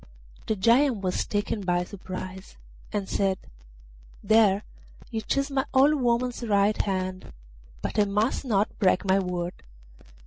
The Giant was taken by surprise, and said: 'There, you chose my old woman's right hand; but I must not break my word.